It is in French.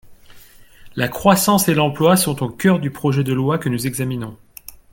La croissance et l’emploi sont au cœur du projet de loi que nous examinons.